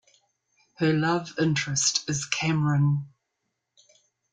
Her love interest is Cameron.